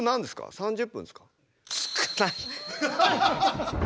３０分ですか？